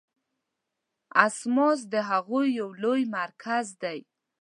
اسماس د هغوی یو لوی مرکز دی.